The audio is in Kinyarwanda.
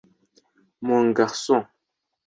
“Mon garcon”